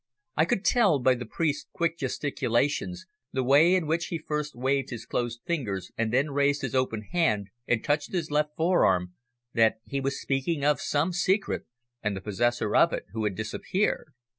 I could tell by the priest's quick gesticulations, the way in which he first waved his closed fingers and then raised his open hand and touched his left forearm, that he was speaking of some secret and the possessor of it who had disappeared.